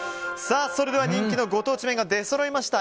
それでは人気のご当地麺がでそろいました。